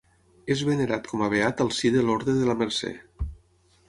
És venerat com a beat al si de l'Orde de la Mercè.